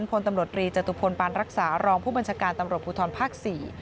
ทุนพลตำรวจรีจตุพลปาลรักษารองผู้บัญชาการปุทธรภักดิ์๔